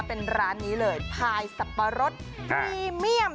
เป็นร้านนี้เลยพายสับปะรดพรีเมียม